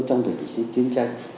trong thời bình chiến tranh